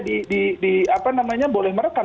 di apa namanya boleh merekam